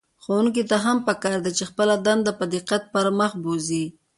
ښوونکي ته هم په کار ده چې خپله دنده په دقت پر مخ بوځي.